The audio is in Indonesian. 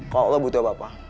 kalau lo butuh apa apa